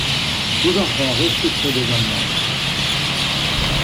Les enfants, restez près de maman.